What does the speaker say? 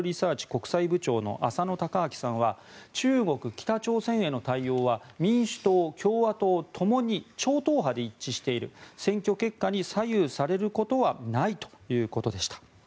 国際部長の浅野貴昭さんは中国、北朝鮮への対応は民主党、共和党ともに超党派で一致している選挙結果に左右されることはないということでした。